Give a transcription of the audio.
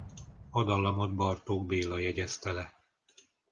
A dallamot Bartók Béla jegyezte le.